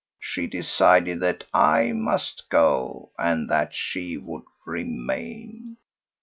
She decided that I must go and that she would remain."